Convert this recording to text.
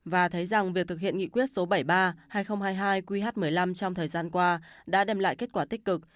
và thấy rằng việc thực hiện nghị quyết số bảy mươi ba hai nghìn hai mươi hai qh một mươi năm trong thời gian qua đã đem lại kết quả tích cực